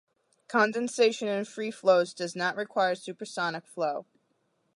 Condensation in free flows does not require supersonic flow.